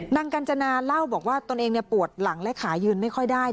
กัญจนาเล่าบอกว่าตนเองปวดหลังและขายืนไม่ค่อยได้